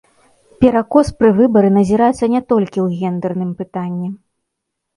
Перакос пры выбары назіраецца не толькі ў гендэрным пытанні.